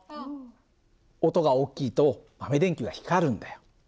音が大きいと豆電球は光るんだよ。